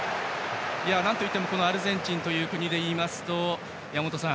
なんといってもアルゼンチンという国でいうと山本さん